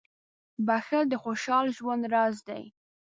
• بښل د خوشحال ژوند راز دی.